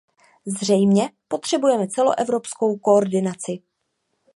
Zřejmě potřebujeme celoevropskou koordinaci.